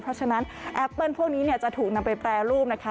เพราะฉะนั้นแอปเปิ้ลพวกนี้จะถูกนำไปแปรรูปนะคะ